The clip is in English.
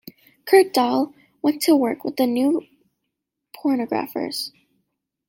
Kurt Dahle went on to work with The New Pornographers.